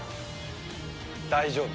大丈夫。